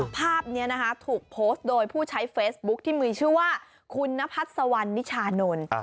ภาพนี้นะคะถูกโพสต์โดยผู้ใช้เฟซบุ๊คที่มีชื่อว่าคุณนพัฒน์สวรรณนิชานนท์